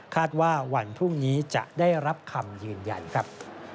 ว่าวันพรุ่งนี้จะได้รับคำยืนยันครับ